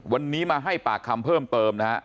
วันนี้มาให้ปากคำเพิ่มเติมนะฮะ